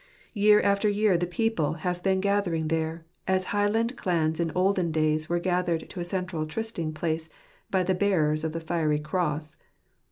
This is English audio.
Year after year the people have been gathering there, as highland clans in olden days were gathered to a central trysting place by the bearers of the Fiery Cross.